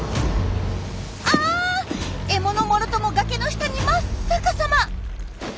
もろとも崖の下に真っ逆さま。